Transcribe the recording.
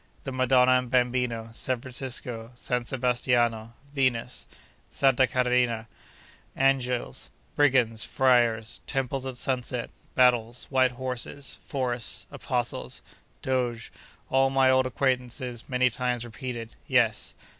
The Madonna and Bambino, San Francisco, San Sebastiano, Venus, Santa Caterina, Angels, Brigands, Friars, Temples at Sunset, Battles, White Horses, Forests, Apostles, Doges, all my old acquaintances many times repeated?—yes.